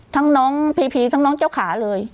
น้องพีพีทั้งน้องเจ้าขาเลย